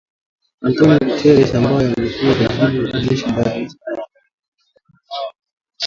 Antonio Guterres, ambaye amekuwa akijaribu kuzipatanisha pande hizo mbili